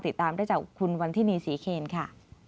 ติดตามได้จากคุณวันทินีศรีเคนค่ะ